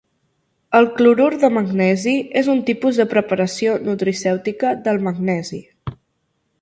El clorur de magnesi és un tipus de preparació nutricèutica del magnesi.